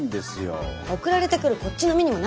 送られてくるこっちの身にもなって下さい。